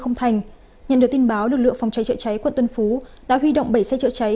không thành nhận được tin báo lực lượng phòng cháy chữa cháy quận tân phú đã huy động bảy xe chữa cháy